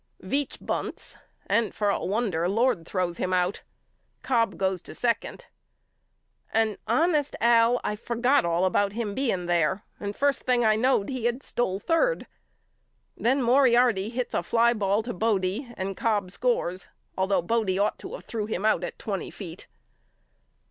Veach bunts and for a wonder Lord throws him out. Cobb goes to second and honest Al I forgot all about him being there and first thing I knowed he had stole third. Then Moriarty hits a fly ball to Bodie and Cobb scores though Bodie ought to of threw him out twenty feet.